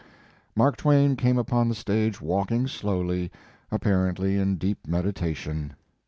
Mark Twain came upon the stage walking slowly, apparently in deep meditation.